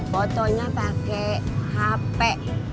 fotonya pakai handphone